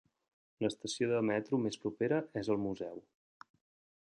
L'estació de metro més propera és el Museu.